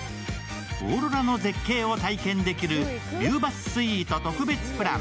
オーロラの絶景を体験できるビューバススイート特別プラン。